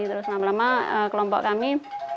terus lama lama kelompok kami